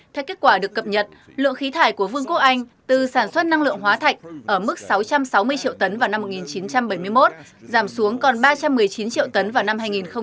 theo kết quả được cập nhật lượng khí thải của vương quốc anh từ sản xuất năng lượng hóa thạch ở mức sáu trăm sáu mươi triệu tấn vào năm một nghìn chín trăm bảy mươi một giảm xuống còn ba trăm một mươi chín triệu tấn vào năm hai nghìn hai mươi